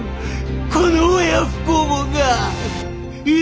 この親不孝もんが！